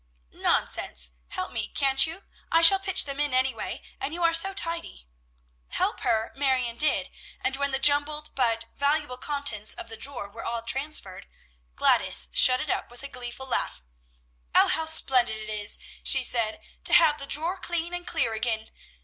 "Nonsense! help me, can't you? I shall pitch them in any way, and you are so tidy!" Help her Marion did, and when the jumbled but valuable contents of the drawer were all transferred, Gladys shut it up with a gleeful laugh. "Oh, how splendid it is," she said, "to have the drawer clean and clear again!